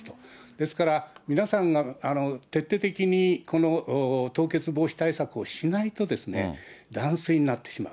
ですから、皆さんが徹底的に凍結防止対策をしないと、断水になってしまう。